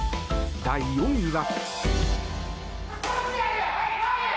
第４位は。